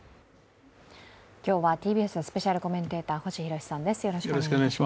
今日はＴＢＳのスペシャルコメンテーター、星浩さんです。